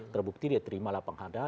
terbukti dia terima lapang hada